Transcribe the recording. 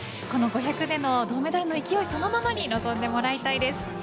この５００での銅メダルの勢いそのままに臨んでもらいたいです。